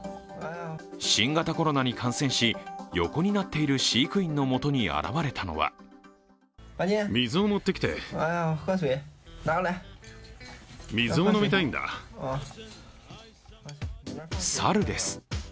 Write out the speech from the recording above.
新型コロナに感染し、横になっている飼育員のもとに現れたのは猿です。